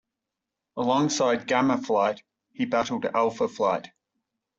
Alongside Gamma Flight, he battled Alpha Flight.